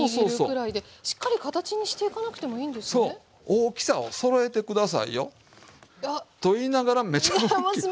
大きさをそろえて下さいよと言いながらめちゃおっきい。